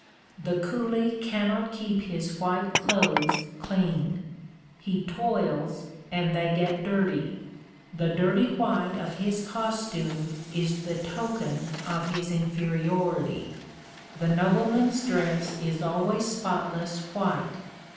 The coolie cannot keep his white clothes clean. He toils and they get dirty. The dirty white of his costume is the token of his inferiority. The nobleman's dress is always spotless white.